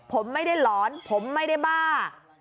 ผมไม่ได้หลอนผมไม่ได้บ้า